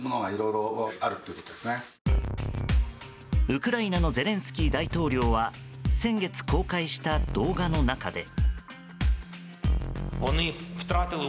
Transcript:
ウクライナのゼレンスキー大統領は先月公開した動画の中で。